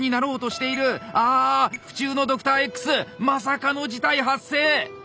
あ府中のドクターＸまさかの事態発生！